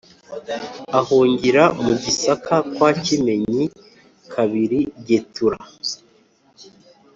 ahungira mu gisaka kwa kimenyi ii getura